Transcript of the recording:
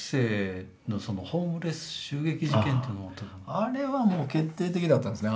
あれはもう決定的だったんですね。